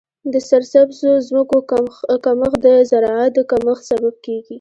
د سرسبزو ځمکو کمښت د زراعت د کمښت سبب کیږي.